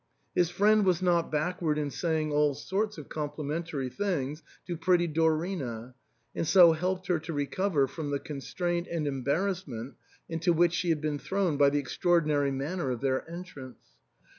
His friend was not backward in saying all sorts of complimentary things to pretty Dorina, and so helped her to recover from the constraint and embar rassment into which she had been thrown by the extra ordinary manner of their entrance.